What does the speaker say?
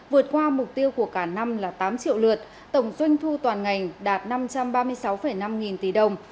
vượt qua mục tiêu của cả năm là tám triệu lượt tổng doanh thu toàn ngành đạt năm trăm ba mươi sáu năm nghìn tỷ đồng